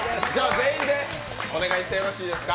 全員でお願いしてもいいですか。